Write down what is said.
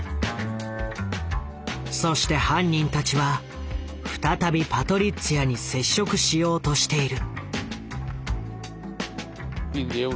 そして犯人たちは再びパトリッツィアに接触しようとしている。